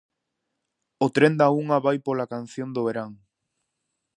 O Tren da Unha vai pola canción do verán.